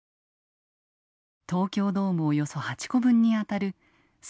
東京ドームおよそ８個分にあたる３７